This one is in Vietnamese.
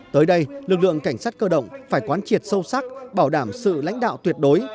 tới đây lực lượng cảnh sát cơ động phải quán triệt sâu sắc bảo đảm sự lãnh đạo tuyệt đối